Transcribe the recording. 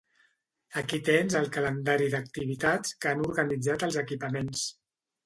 Aquí tens el calendari d'activitats que han organitzat els equipaments.